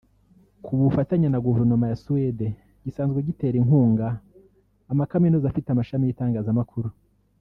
ku bufatanye na guverinoma ya Suède gisanzwe gitera inkunga amakaminuza afite amashami y’itangazamakuru